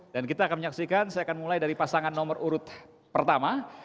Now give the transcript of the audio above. dan kita akan menyaksikan saya akan mulai dari pasangan nomor urut pertama